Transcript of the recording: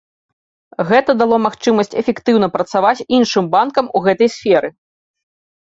Гэта дало магчымасць эфектыўна працаваць іншым банкам у гэтай сферы.